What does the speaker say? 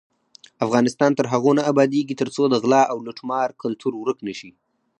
افغانستان تر هغو نه ابادیږي، ترڅو د غلا او لوټمار کلتور ورک نشي.